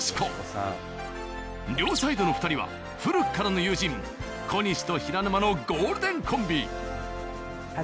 両サイドの２人は古くからの友人小西と平沼のゴールデンコンビ。